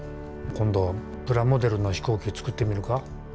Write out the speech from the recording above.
今度プラモデルの飛行機作ってみるか？